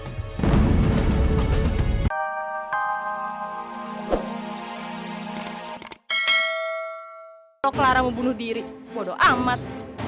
kalo clara mau bunuh diri bodo amat